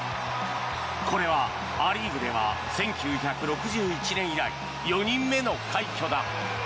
これはア・リーグでは１９６１年以来４人目の快挙だ。